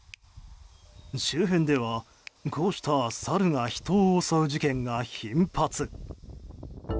周辺ではこうしたサルが人を襲う事件が頻発。